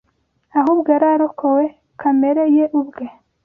ahubwo yari arokowe kamere ye ubwe